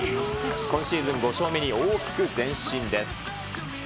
今シーズン５勝目に大きく前進です。